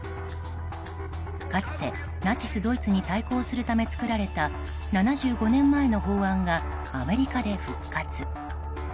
かつてナチスドイツに対抗するために作られた７５年前の法案がアメリカで復活。